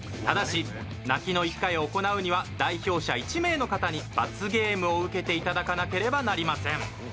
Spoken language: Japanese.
ただし泣きの１回を行うには代表者１名の方に罰ゲームを受けていただかなければなりません。